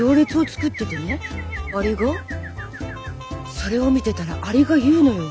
それを見てたらアリが言うのよ。